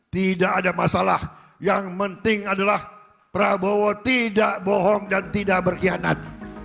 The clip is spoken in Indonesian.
tidak ada masalah yang penting adalah prabowo tidak bohong dan tidak berkhianat